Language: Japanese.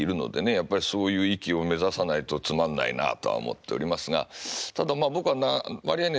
やっぱりそういう域を目指さないとつまんないなとは思っておりますがただまあ僕は割合ね